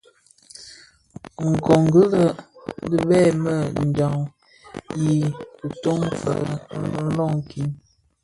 Nkongi lè bidheb më jaň i kiton fee loňkin.